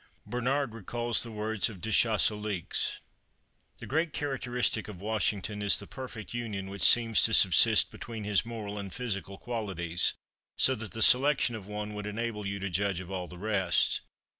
Bernard recalls the words of De Chastellux: "The great characteristic of Washington is the perfect union which seems to subsist between his moral and physical qualities, so that the selection of one would enable you to judge of all the rest.